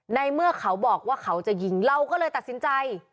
ในเมื่อเขาบอกว่าเขาจะยิงเราก็เลยตัดสินใจ